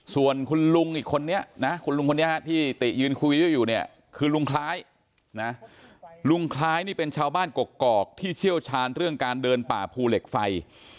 ส่วนคุณลุงอีกคนนี้นะคุณลุงคนนี้ที่ติยืนคุยด้วยอยู่เนี่ยคือลุงคล้ายนะลุงคล้ายนี่เป็นชาวบ้านกกอกที่เชี่ยวชาญเรื่องการเดินป่าภูเหล็กไฟ